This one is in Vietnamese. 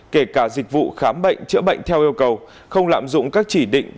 kể cả dịch vụ khám bệnh chữa bệnh theo yêu cầu không lạm dụng các chỉ định